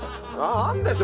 あるんでしょ？